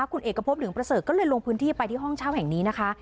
คุณเอกพบเหลืองประเสริฐก็เลยลงพื้นที่ไปที่ห้องเช่าแห่งนี้นะคะ